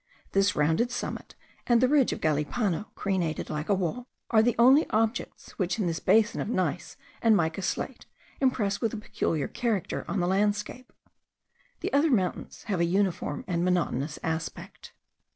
This rounded summit, and the ridge of Galipano crenated like a wall, are the only objects which in this basin of gneiss and mica slate impress a peculiar character on the landscape. The other mountains have a uniform and monotonous aspect.